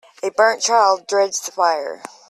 A burnt child dreads the fire.